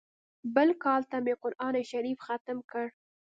بل کال ته مې قران شريف ختم کړ.